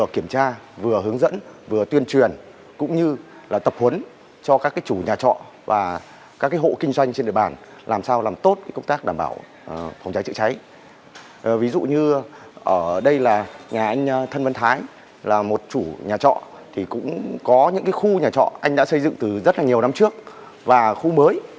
khu nhà trọ anh đã xây dựng từ rất nhiều năm trước và khu mới